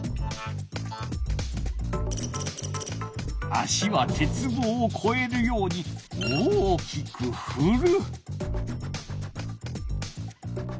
足は鉄棒をこえるように大きくふる。